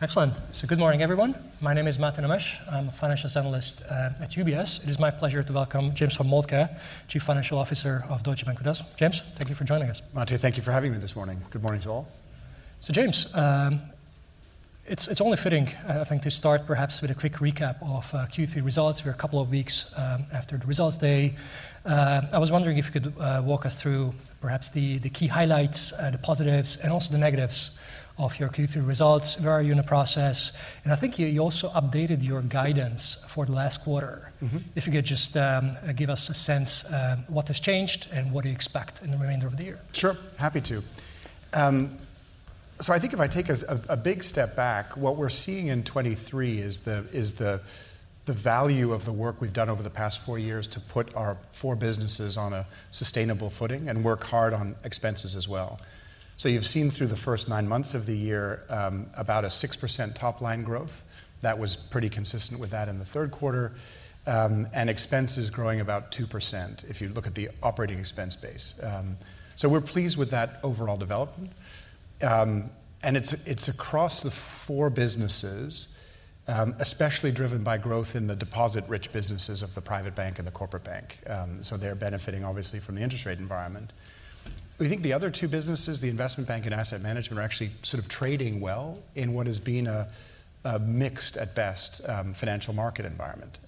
Excellent. So good morning, everyone. My name is Mate Nemes. I'm a financial analyst at UBS. It is my pleasure to welcome James von Moltke, Chief Financial Officer of Deutsche Bank, with us. James, thank you for joining us. Mate, thank you for having me this morning. Good morning to all. So, James, it's only fitting, I think, to start perhaps with a quick recap of Q3 results. We're a couple of weeks after the results day. I was wondering if you could walk us through perhaps the key highlights, the positives, and also the negatives of your Q3 results. Where are you in the process? And I think you also updated your guidance for the last quarter. Mm-hmm. If you could just give us a sense what has changed and what do you expect in the remainder of the year? Sure, happy to. So I think if I take a big step back, what we're seeing in 2023 is the value of the work we've done over the past four years to put our four businesses on a sustainable footing and work hard on expenses as well. So you've seen through the first nine months of the year, about a 6% top-line growth. That was pretty consistent with that in the third quarter, and expenses growing about 2%, if you look at the operating expense base. So we're pleased with that overall development. And it's across the four businesses, especially driven by growth in the deposit-rich businesses of the private bank and the corporate bank. So they're benefiting obviously from the interest rate environment. We think the other two businesses, the investment bank and asset management, are actually sort of trading well in what has been a mixed at best, financial market environment.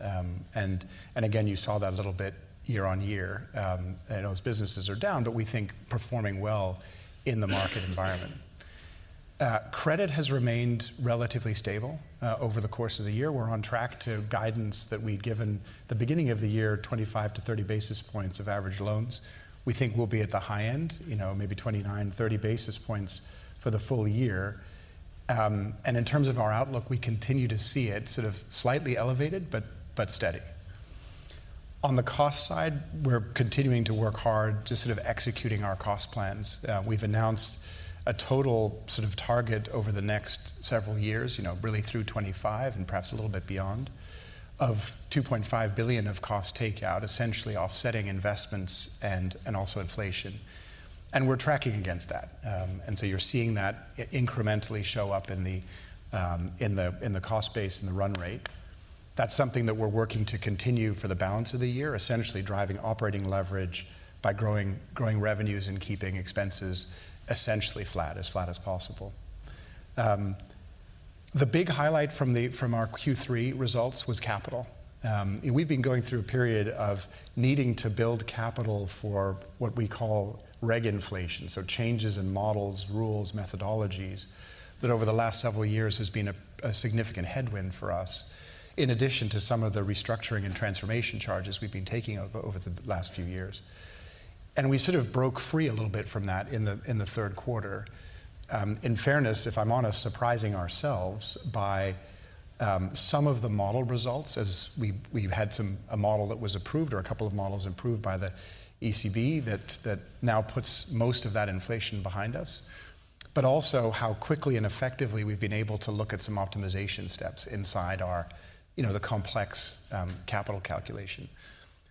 And again, you saw that a little bit year-on-year. And those businesses are down, but we think performing well in the market environment. Credit has remained relatively stable, over the course of the year. We're on track to guidance that we'd given the beginning of the year, 25-30 basis points of average loans. We think we'll be at the high end, you know, maybe 29-30 basis points for the full year. And in terms of our outlook, we continue to see it sort of slightly elevated, but steady. On the cost side, we're continuing to work hard to sort of executing our cost plans. We've announced a total sort of target over the next several years, you know, really through 2025 and perhaps a little bit beyond, of 2.5 billion of cost takeout, essentially offsetting investments and, and also inflation. And we're tracking against that. And so you're seeing that incrementally show up in the cost base and the run rate. That's something that we're working to continue for the balance of the year, essentially driving operating leverage by growing revenues and keeping expenses essentially flat, as flat as possible. The big highlight from our Q3 results was capital. We've been going through a period of needing to build capital for what we call reg inflation, so changes in models, rules, methodologies, that over the last several years has been a significant headwind for us, in addition to some of the restructuring and transformation charges we've been taking over the last few years. We sort of broke free a little bit from that in the third quarter. In fairness, if I'm honest, surprising ourselves by some of the model results as we've had some a model that was approved or a couple of models approved by the ECB that now puts most of that inflation behind us, but also how quickly and effectively we've been able to look at some optimization steps inside our, you know, the complex capital calculation.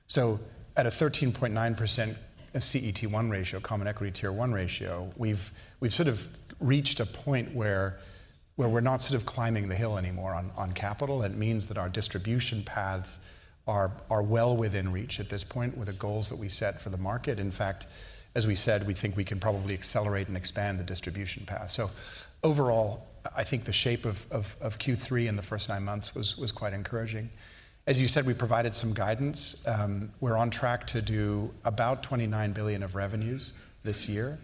So at a 13.9% CET1 ratio, common equity tier one ratio, we've sort of reached a point where we're not sort of climbing the hill anymore on capital. It means that our distribution paths are well within reach at this point with the goals that we set for the market. In fact, as we said, we think we can probably accelerate and expand the distribution path. So overall, I think the shape of Q3 in the first nine months was quite encouraging. As you said, we provided some guidance. We're on track to do about 29 billion of revenues this year,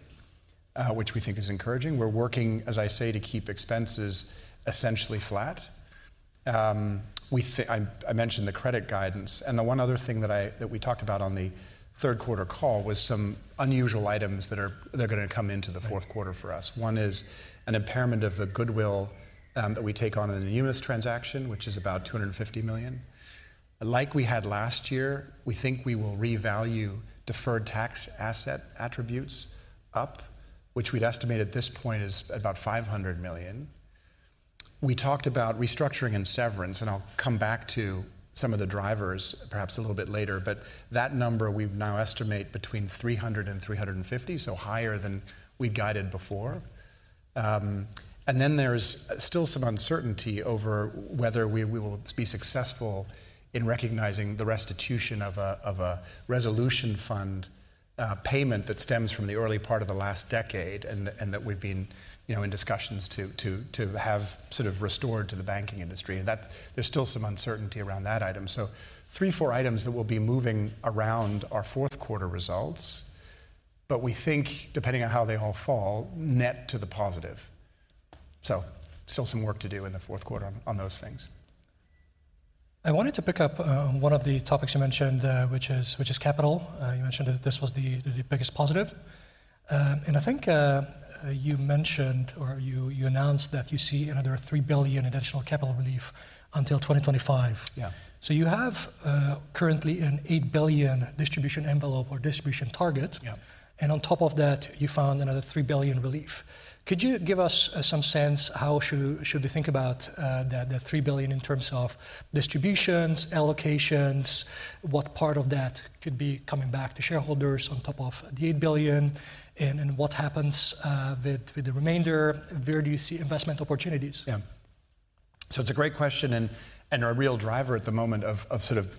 which we think is encouraging. We're working, as I say, to keep expenses essentially flat. I mentioned the credit guidance, and the one other thing that we talked about on the third quarter call was some unusual items that are, they're gonna come into the fourth quarter for us. One is an impairment of the goodwill that we take on in the Numis transaction, which is about 250 million. Like we had last year, we think we will revalue deferred tax asset attributes up, which we'd estimate at this point is about 500 million. We talked about restructuring and severance, and I'll come back to some of the drivers perhaps a little bit later, but that number, we now estimate between 300 million and 350 million, so higher than we'd guided before. And then there's still some uncertainty over whether we will be successful in recognizing the restitution of a resolution fund payment that stems from the early part of the last decade, and that we've been, you know, in discussions to have sort of restored to the banking industry. And that, there's still some uncertainty around that item. So 3, 4 items that will be moving around our fourth quarter results, but we think, depending on how they all fall, net to the positive. So still some work to do in the fourth quarter on those things. I wanted to pick up on one of the topics you mentioned, which is capital. You mentioned that this was the biggest positive. I think you mentioned or you announced that you see another 3 billion additional capital relief until 2025. Yeah. So you have currently an 8 billion distribution envelope or distribution target- Yeah. - and on top of that, you found another 3 billion relief. Could you give us some sense how should we think about the 3 billion in terms of distributions, allocations? What part of that could be coming back to shareholders on top of the 8 billion, and what happens with the remainder? Where do you see investment opportunities? So it's a great question, and a real driver at the moment of sort of,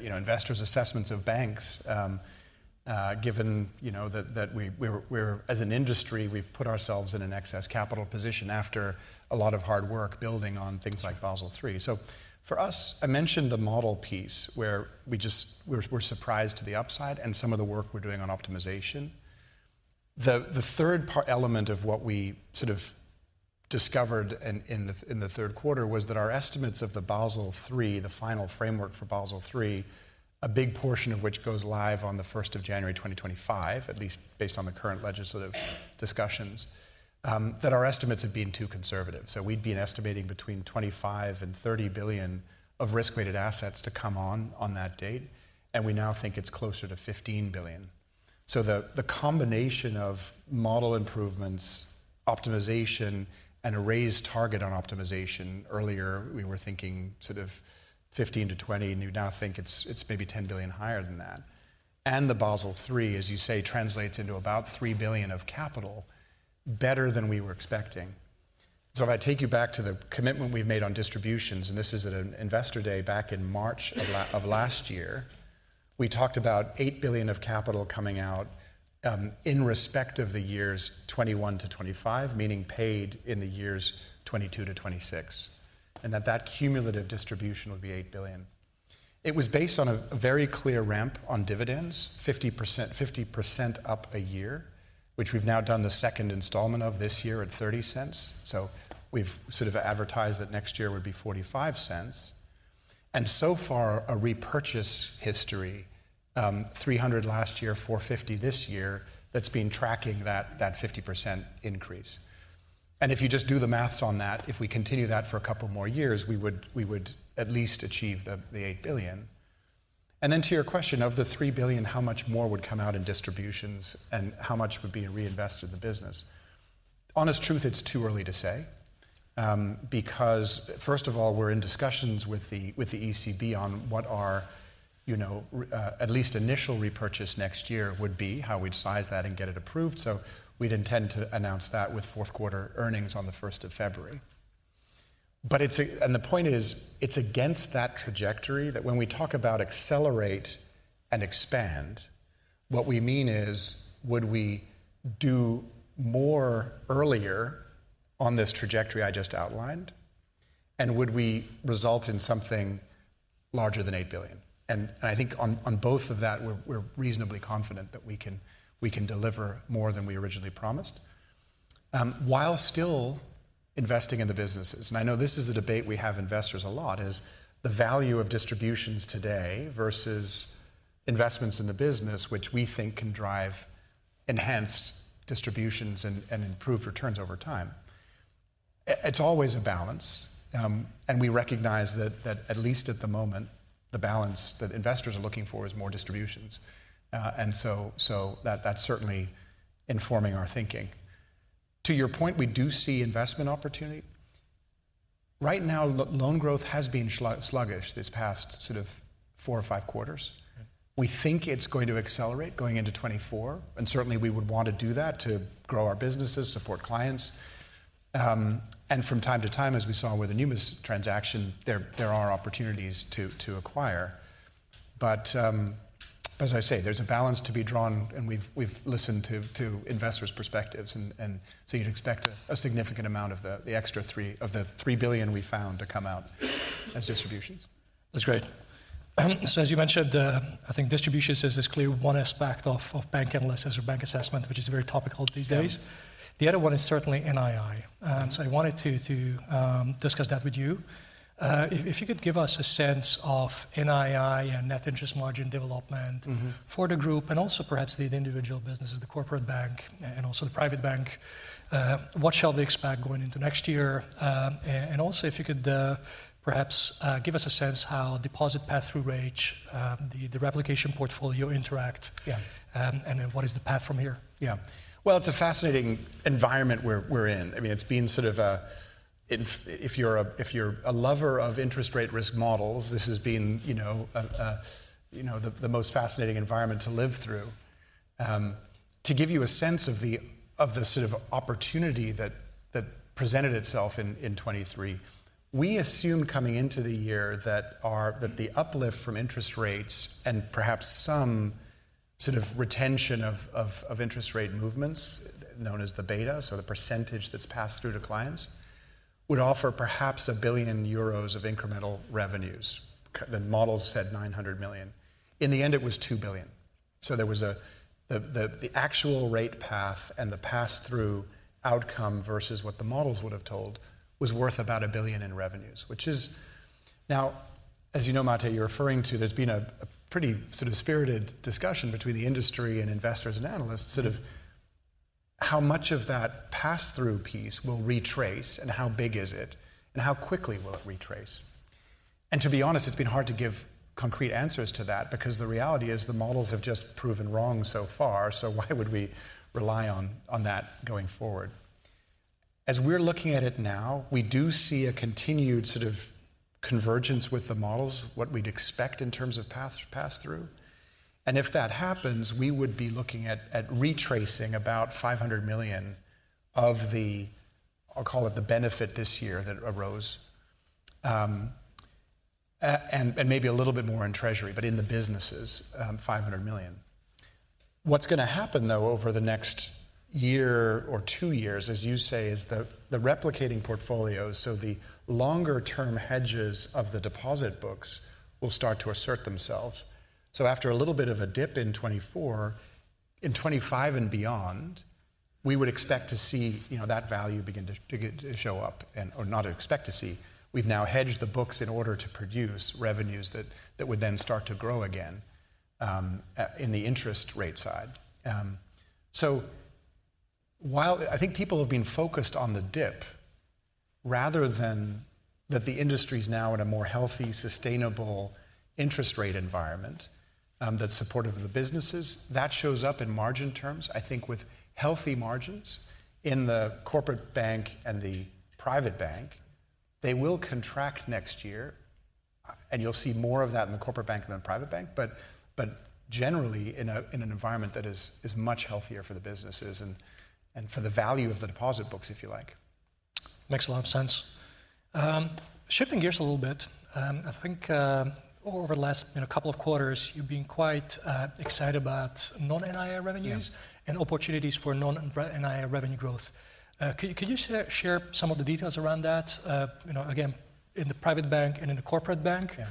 you know, investors' assessments of banks, given, you know, that we are as an industry, we've put ourselves in an excess capital position after a lot of hard work building on things like Basel III. So for us, I mentioned the model piece where we just we're surprised to the upside and some of the work we're doing on optimization. The third part element of what we sort of discovered in the third quarter was that our estimates of the Basel III, the final framework for Basel III, a big portion of which goes live on the first of January 2025, at least based on the current legislative discussions, that our estimates have been too conservative. So we'd been estimating between 25 billion and 30 billion of risk-weighted assets to come on, on that date, and we now think it's closer to 15 billion. So the combination of model improvements, optimization, and a raised target on optimization, earlier, we were thinking sort of 15-20 billion, and we now think it's maybe 10 billion higher than that. And the Basel III, as you say, translates into about 3 billion of capital better than we were expecting. So if I take you back to the commitment we've made on distributions, and this is at an investor day back in March of last year, we talked about 8 billion of capital coming out, in respect of the years 2021-2025, meaning paid in the years 2022-2026, and that cumulative distribution would be 8 billion. It was based on a very clear ramp on dividends, 50%, 50% up a year, which we've now done the second installment of this year at 0.30. So we've sort of advertised that next year would be 0.45. And so far, a repurchase history, 300 last year, 450 this year, that's been tracking that, that 50% increase. And if you just do the math on that, if we continue that for a couple more years, we would, we would at least achieve the, the 8 billion. And then to your question, of the 3 billion, how much more would come out in distributions and how much would be reinvested in the business? Honest truth, it's too early to say, because first of all, we're in discussions with the ECB on what our, you know, at least initial repurchase next year would be, how we'd size that and get it approved. So we'd intend to announce that with fourth quarter earnings on the first of February. But. And the point is, it's against that trajectory that when we talk about accelerate and expand, what we mean is, would we do more earlier on this trajectory I just outlined? And would we result in something larger than 8 billion? And, and I think on, on both of that, we're, we're reasonably confident that we can, we can deliver more than we originally promised, while still investing in the businesses. And I know this is a debate we have investors a lot, is the value of distributions today versus investments in the business, which we think can drive enhanced distributions and improve returns over time. It's always a balance, and we recognize that at least at the moment, the balance that investors are looking for is more distributions. And so that's certainly informing our thinking. To your point, we do see investment opportunity. Right now, loan growth has been sluggish this past sort of four or five quarters. Right. We think it's going to accelerate going into 2024, and certainly, we would want to do that to grow our businesses, support clients. And from time to time, as we saw with the Numis transaction, there are opportunities to acquire. But, as I say, there's a balance to be drawn, and we've listened to investors' perspectives, and so you'd expect a significant amount of the extra 3 billion we found to come out as distributions. That's great. So as you mentioned, I think distributions is this clear one aspect of bank analysis or bank assessment, which is very topical these days. Yeah. The other one is certainly NII. So I wanted to discuss that with you. If you could give us a sense of NII and net interest margin development. Mm-hmm. —for the group and also perhaps the individual businesses, the corporate bank and also the private bank, what shall we expect going into next year? And also, if you could, perhaps, give us a sense how deposit pass-through rate, the replication portfolio interact— Yeah.... and then what is the path from here? Yeah. Well, it's a fascinating environment we're in. I mean, it's been sort of a... If you're a lover of interest rate risk models, this has been, you know, the most fascinating environment to live through. To give you a sense of the sort of opportunity that presented itself in 2023, we assumed coming into the year that the uplift from interest rates and perhaps some sort of retention of interest rate movements, known as the beta, so the percentage that's passed through to clients, would offer perhaps 1 billion euros of incremental revenues. The models said 900 million. In the end, it was 2 billion. So there was the actual rate path and the pass-through outcome versus what the models would have told was worth about 1 billion in revenues, which is. Now, as you know, Mate, you're referring to, there's been a pretty sort of spirited discussion between the industry and investors and analysts, sort of how much of that pass-through piece will retrace, and how big is it, and how quickly will it retrace? And to be honest, it's been hard to give concrete answers to that because the reality is the models have just proven wrong so far, so why would we rely on that going forward? As we're looking at it now, we do see a continued sort of convergence with the models, what we'd expect in terms of path, pass through. And if that happens, we would be looking at retracing about 500 million of the, I'll call it the benefit this year that arose, and maybe a little bit more in treasury, but in the businesses, 500 million. What's going to happen, though, over the next year or two years, as you say, is the replicating portfolios, so the longer-term hedges of the deposit books will start to assert themselves. So after a little bit of a dip in 2024, in 2025 and beyond, we would expect to see, you know, that value begin to get to show up and, or not expect to see. We've now hedged the books in order to produce revenues that would then start to grow again, in the interest rate side. So while I think people have been focused on the dip rather than that the industry is now in a more healthy, sustainable interest rate environment, that's supportive of the businesses, that shows up in margin terms, I think with healthy margins in the corporate bank and the private bank. They will contract next year, and you'll see more of that in the corporate bank than the private bank, but, but generally in a, in an environment that is, is much healthier for the businesses and, and for the value of the deposit books, if you like. Makes a lot of sense. Shifting gears a little bit, I think, over the last, you know, couple of quarters, you've been quite excited about non-NII revenues- Yeah. and opportunities for non-NII revenue growth. Could you share some of the details around that? You know, again, in the private bank and in the corporate bank- Yeah.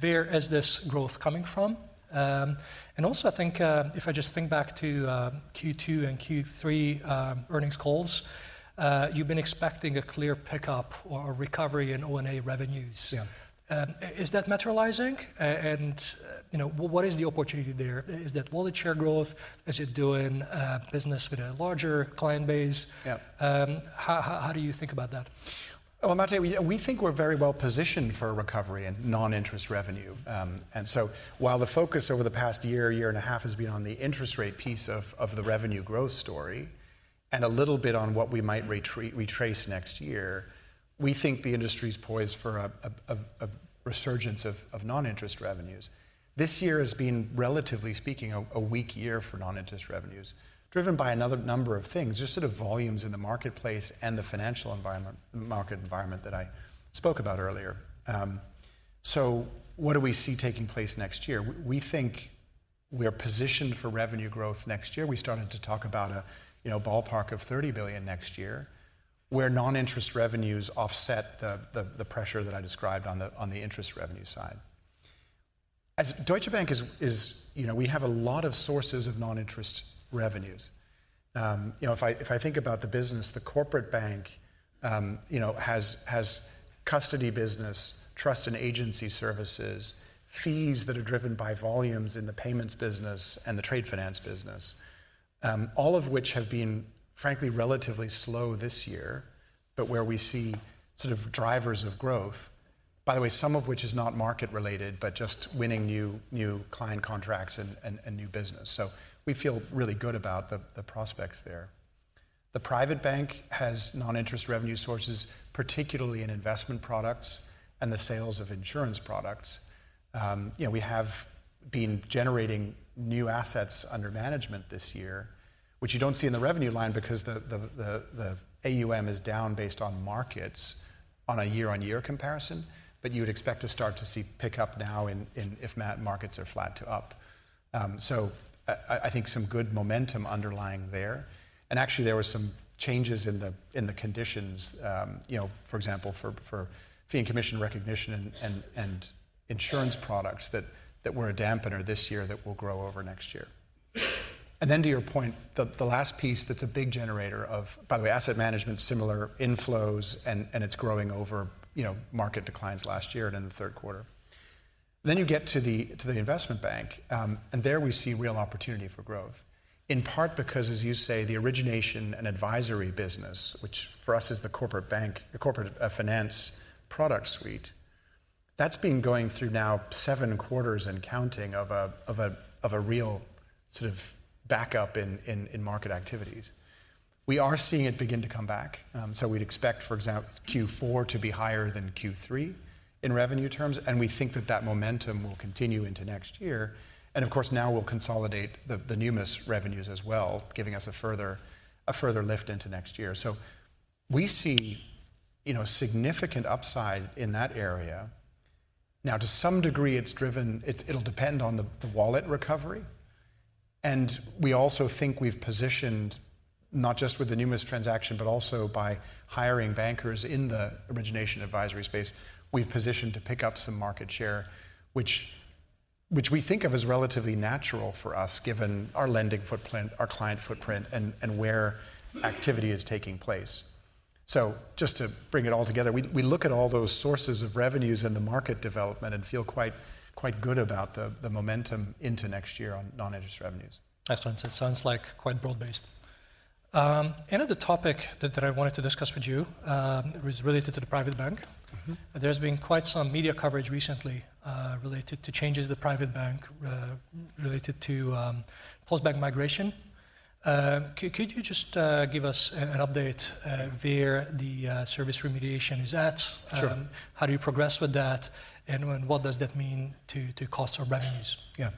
Where is this growth coming from? And also I think, if I just think back to Q2 and Q3, earnings calls, you've been expecting a clear pickup or recovery in ONA revenues. Yeah. Is that materializing? And, you know, what is the opportunity there? Is that wallet share growth? Is it doing business with a larger client base? Yeah. How do you think about that? Well, Mate, we think we're very well positioned for a recovery in non-interest revenue. And so while the focus over the past year, year and a half has been on the interest rate piece of the revenue growth story, and a little bit on what we might retrace next year, we think the industry is poised for a resurgence of non-interest revenues. This year has been, relatively speaking, a weak year for non-interest revenues, driven by a number of things. Just sort of volumes in the marketplace and the financial environment, market environment that I spoke about earlier. So what do we see taking place next year? We think we are positioned for revenue growth next year. We started to talk about a, you know, ballpark of 30 billion next year, where non-interest revenues offset the pressure that I described on the interest revenue side. As Deutsche Bank is... You know, we have a lot of sources of non-interest revenues. You know, if I think about the business, the corporate bank, you know, has custody business, trust and agency services, fees that are driven by volumes in the payments business and the trade finance business, all of which have been, frankly, relatively slow this year, but where we see sort of drivers of growth. By the way, some of which is not market-related, but just winning new client contracts and new business. So we feel really good about the prospects there. The private bank has non-interest revenue sources, particularly in investment products and the sales of insurance products. You know, we have been generating new assets under management this year, which you don't see in the revenue line because the AUM is down based on markets on a year-on-year comparison, but you would expect to start to see pickup now if markets are flat to up. So I think some good momentum underlying there, and actually there were some changes in the conditions, you know, for example, for fee and commission recognition and insurance products that were a dampener this year that will grow over next year. And then to your point, the last piece that's a big generator of... By the way, asset management, similar inflows, and it's growing over, you know, market declines last year and in the third quarter. Then you get to the investment bank, and there we see real opportunity for growth. In part because, as you say, the origination and advisory business, which for us is the corporate bank, the corporate finance product suite, that's been going through now seven quarters and counting of a real sort of backup in market activities. We are seeing it begin to come back, so we'd expect, for example, Q4 to be higher than Q3 in revenue terms, and we think that that momentum will continue into next year. And of course, now we'll consolidate the Numis revenues as well, giving us a further lift into next year. So we see, you know, significant upside in that area. Now, to some degree, it's driven... It's, it'll depend on the, the wallet recovery, and we also think we've positioned, not just with the Numis transaction, but also by hiring bankers in the origination advisory space, we've positioned to pick up some market share, which, which we think of as relatively natural for us, given our lending footprint, our client footprint, and, and where activity is taking place. So just to bring it all together, we, we look at all those sources of revenues in the market development and feel quite, quite good about the, the momentum into next year on non-interest revenues. Excellent. So it sounds like quite broad-based. Another topic that I wanted to discuss with you was related to the private bank. Mm-hmm. There's been quite some media coverage recently, related to changes to the private bank, related to Postbank migration. Could you just give us an update where the service remediation is at? Sure. How do you progress with that, and when—what does that mean to, to cost or revenues? Yeah.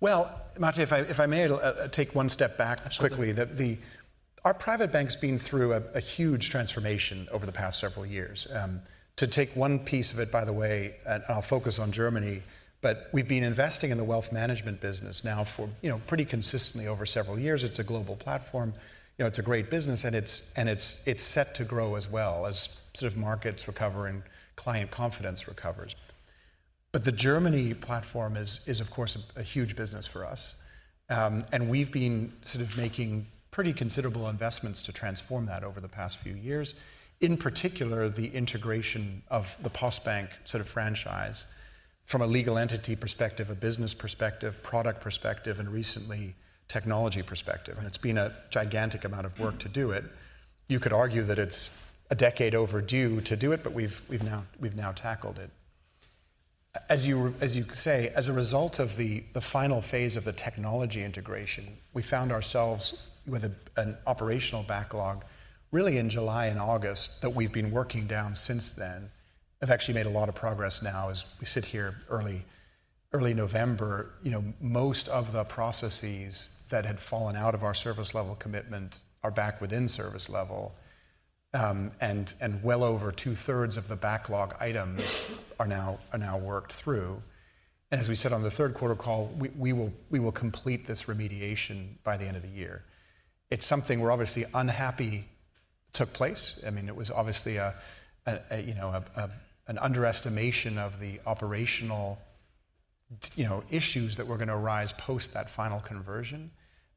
Well, Mate, if I may, take one step back quickly- Absolutely. Our private bank's been through a huge transformation over the past several years. To take one piece of it, by the way, and I'll focus on Germany, but we've been investing in the wealth management business now for, you know, pretty consistently over several years. It's a global platform. You know, it's a great business, and it's set to grow as well as sort of markets recover and client confidence recovers. But the Germany platform is of course a huge business for us. And we've been sort of making pretty considerable investments to transform that over the past few years, in particular, the integration of the Postbank sort of franchise from a legal entity perspective, a business perspective, product perspective, and recently, technology perspective, and it's been a gigantic amount of work to do it. You could argue that it's a decade overdue to do it, but we've now tackled it. As you say, as a result of the final phase of the technology integration, we found ourselves with an operational backlog really in July and August that we've been working down since then. We've actually made a lot of progress now as we sit here early November. You know, most of the processes that had fallen out of our service level commitment are back within service level, and well over two-thirds of the backlog items are now worked through. And as we said on the third quarter call, we will complete this remediation by the end of the year. It's something we're obviously unhappy took place. I mean, it was obviously an underestimation of the operational, you know, issues that were going to arise post that final conversion,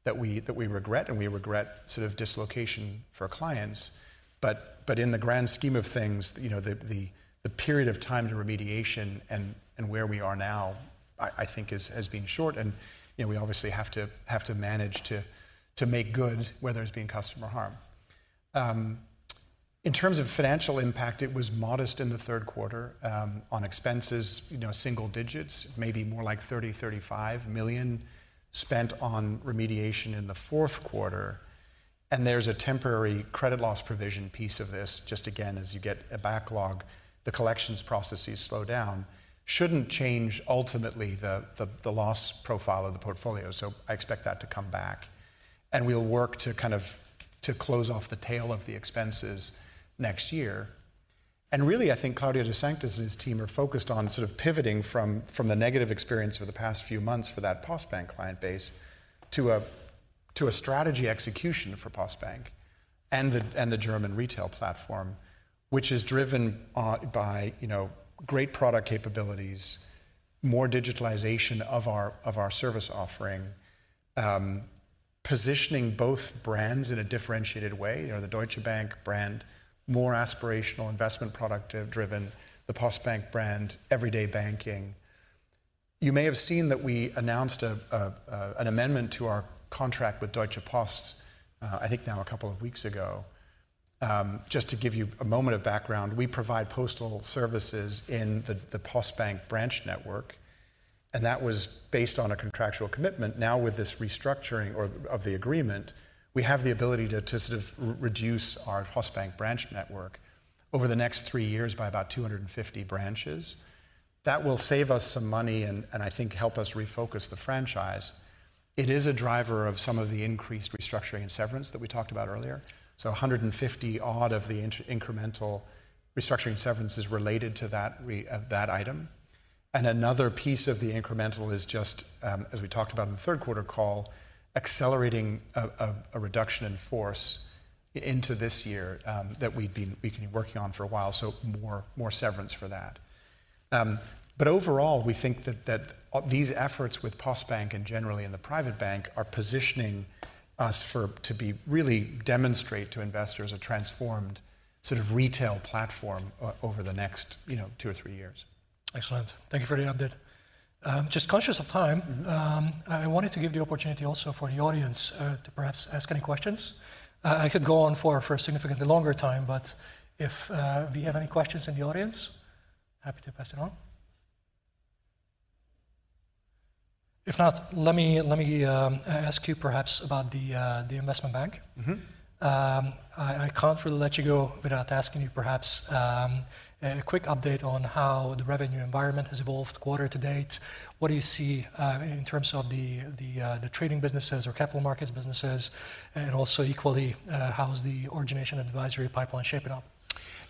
that we regret, and we regret sort of dislocation for clients. But in the grand scheme of things, you know, the period of time to remediation and where we are now, I think has been short, and, you know, we obviously have to manage to make good, whether it's being customer harm. In terms of financial impact, it was modest in the third quarter, on expenses, you know, single digits, maybe more like 35 million spent on remediation in the fourth quarter, and there's a temporary credit loss provision piece of this. Just again, as you get a backlog, the collections processes slow down, shouldn't change ultimately the loss profile of the portfolio, so I expect that to come back, and we'll work to kind of close off the tail of the expenses next year. And really, I think Claudio de Sanctis and his team are focused on sort of pivoting from the negative experience over the past few months for that Postbank client base to a strategy execution for Postbank and the German retail platform, which is driven by, you know, great product capabilities, more digitalization of our service offering, positioning both brands in a differentiated way. You know, the Deutsche Bank brand, more aspirational investment, product-driven, the Postbank brand, everyday banking. You may have seen that we announced an amendment to our contract with Deutsche Post, I think now a couple of weeks ago. Just to give you a moment of background, we provide postal services in the Postbank branch network, and that was based on a contractual commitment. Now, with this restructuring of the agreement, we have the ability to sort of reduce our Postbank branch network over the next 3 years by about 250 branches. That will save us some money and I think help us refocus the franchise. It is a driver of some of the increased restructuring and severance that we talked about earlier. So 150 odd of the incremental restructuring severance is related to that item. Another piece of the incremental is just, as we talked about in the third quarter call, accelerating a reduction in force into this year, that we've been working on for a while, so more severance for that. But overall, we think that these efforts with Postbank and generally in the private bank are positioning us for... to be really demonstrate to investors a transformed sort of retail platform over the next, you know, two or three years. Excellent. Thank you for the update. Just conscious of time- Mm-hmm. I wanted to give the opportunity also for the audience to perhaps ask any questions. I could go on for a significantly longer time, but if we have any questions in the audience, happy to pass it on. If not, let me ask you perhaps about the investment bank. Mm-hmm. I can't really let you go without asking you, perhaps, a quick update on how the revenue environment has evolved quarter to date. What do you see in terms of the trading businesses or capital markets businesses, and also equally, how is the origination advisory pipeline shaping up?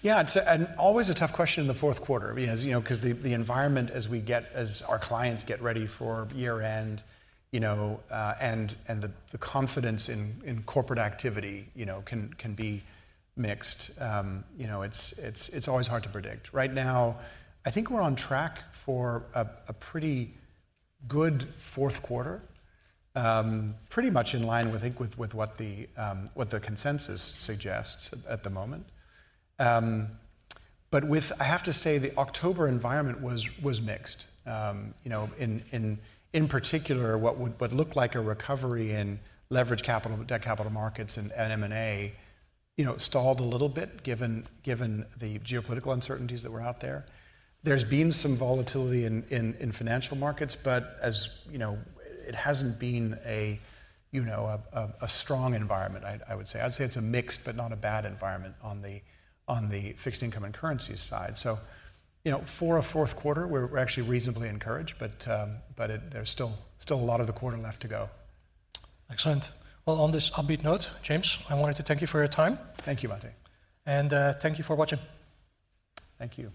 Yeah, it's always a tough question in the fourth quarter, because you know, the environment as our clients get ready for year-end, you know, and the confidence in corporate activity, you know, can be mixed. You know, it's always hard to predict. Right now, I think we're on track for a pretty good fourth quarter, pretty much in line, I think, with what the consensus suggests at the moment. But with... I have to say, the October environment was mixed. You know, in particular, what looked like a recovery in leveraged capital, debt capital markets and M&A, you know, stalled a little bit, given the geopolitical uncertainties that were out there. There's been some volatility in financial markets, but as you know, it hasn't been a, you know, a strong environment, I'd say. I'd say it's a mixed, but not a bad environment on the fixed income and currency side. So, you know, for a fourth quarter, we're actually reasonably encouraged, but... there's still a lot of the quarter left to go. Excellent. Well, on this upbeat note, James, I wanted to thank you for your time. Thank you, Mate. Thank you for watching. Thank you.